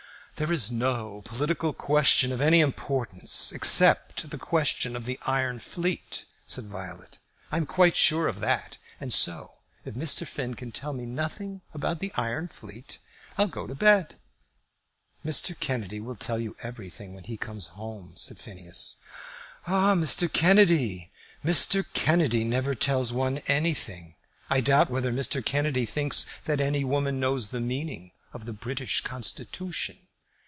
"There is no political question of any importance except the question of the iron fleet," said Violet. "I am quite sure of that, and so, if Mr. Finn can tell me nothing about the iron fleet, I'll go to bed." "Mr. Kennedy will tell you everything when he comes home," said Phineas. "Oh, Mr. Kennedy! Mr. Kennedy never tells one anything. I doubt whether Mr. Kennedy thinks that any woman knows the meaning of the British Constitution."